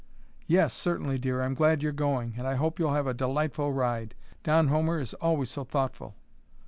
"Yes; certainly, dear, I'm glad you're going, and I hope you'll have a delightful ride. Don Homer is always so thoughtful."